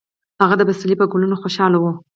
هغه د پسرلي په ګلونو خوشحاله و.